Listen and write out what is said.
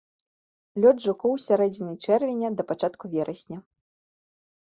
Лёт жукоў з сярэдзіны чэрвеня да пачатку верасня.